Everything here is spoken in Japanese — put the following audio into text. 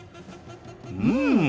うん。